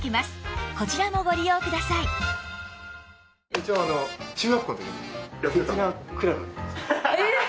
一応中学校の時に手品クラブ。